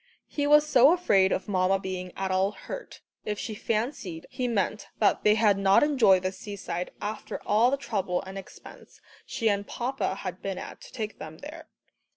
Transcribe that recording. He was so afraid of Mamma being at all hurt, if she fancied he meant that they had not enjoyed the seaside after all the trouble and expense she and papa had been at to take them there.